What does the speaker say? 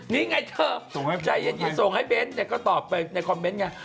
นี่ไงเธอใจเย็นส่งให้เบ้นแต่ก็ตอบไปในคอมเมนต์ไง